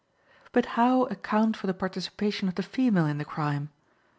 But how account for the participation of the female in the crime?